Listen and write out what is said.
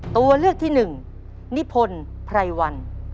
ตัวเลือกที่๑นิพนภรรยวัล